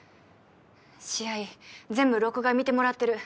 試合全部録画見てもらってる